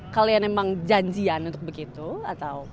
kalian emang janjian untuk begitu atau